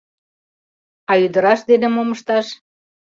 А ӱдыраш дене мом ышташ?